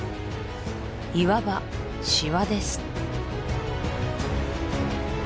いわばシワです